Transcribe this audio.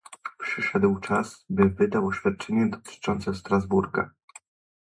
Przyszedł czas, bym wydał oświadczenie dotyczące Strasburga